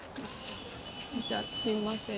じゃすいません。